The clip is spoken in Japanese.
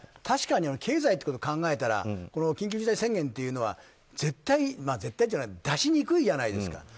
確かに経済を考えたら緊急事態宣言というのは絶対じゃないですけど出しにくいじゃないですか。